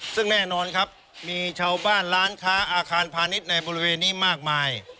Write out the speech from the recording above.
ซึ่งแน่นอนครับมีชาวบ้านร้านค้าอาคารพาณิชย์ในบริเวณนี้มากมาย